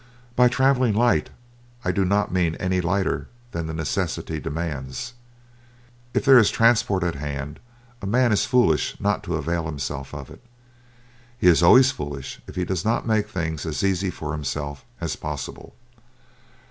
By travelling light I do not mean any lighter than the necessity demands. If there is transport at hand, a man is foolish not to avail himself of it. He is always foolish if he does not make things as easy for himself as possible.